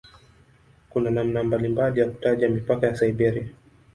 Kuna namna mbalimbali ya kutaja mipaka ya "Siberia".